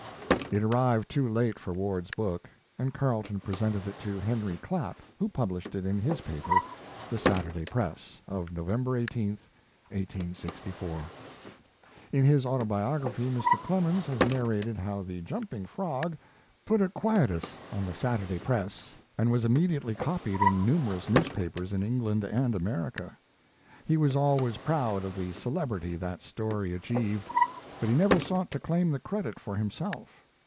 It arrived too late for Ward's book, and Carleton presented it to Henry Clapp, who published it in his paper, The Saturday Press of November 18, 1864. In his Autobiography, Mr. Clemens has narrated how 'The Jumping Frog' put a quietus on 'The Saturday Press', and was immediately copied in numerous newspapers in England and America. He was always proud of the celebrity that story achieved; but he never sought to claim the credit for himself.